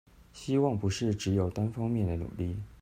希望不是只有單方面的努力